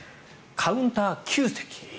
カウンター９席。